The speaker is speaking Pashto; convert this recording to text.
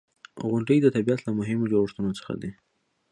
• غونډۍ د طبیعت له مهمو جوړښتونو څخه دي.